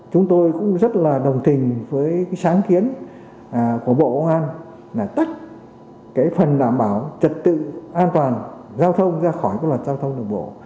chúng tôi cũng rất là đồng tình với sáng kiến của bộ công an là tách phần đảm bảo trật tự an toàn giao thông ra khỏi luật giao thông đường bộ